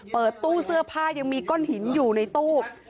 เปิดตู้เสื้อผ้ายังมีก้อนหินอยู่ในตู้